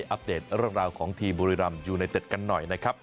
อัปเดตเรื่องราวของทีมบุรีรำยูไนเต็ดกันหน่อยนะครับ